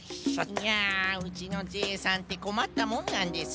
いやうちのジェイさんってこまったもんなんです。